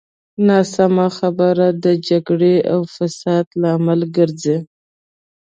ناسمه خبره د جګړې او فساد لامل ګرځي.